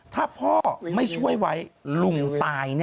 ถ้าพ่อไม่ช่วยไว้ลุงตายแน่